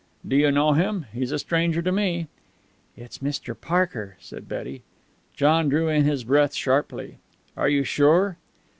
"Do you know him? He's a stranger to me." "It's Mr. Parker," said Betty. John drew in his breath sharply. "Are you sure?"